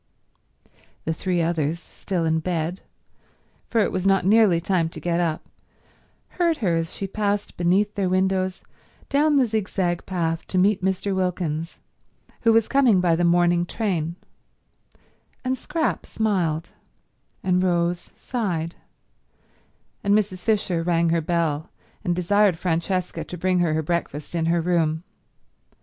The three others, still in bed, for it was not nearly time to get up, heard her as she passed beneath their windows down the zigzag path to meet Mr. Wilkins, who was coming by the morning train, and Scrap smiled, and Rose sighed, and Mrs. Fisher rang her bell and desired Francesca to bring her her breakfast in her room.